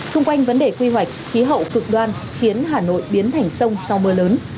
xung quanh vấn đề quy hoạch khí hậu cực đoan khiến hà nội biến thành sông sau mưa lớn